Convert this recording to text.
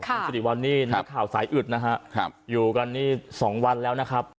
คุณสิริวัลนี่นักข่าวสายอึดนะฮะอยู่กันนี่๒วันแล้วนะครับ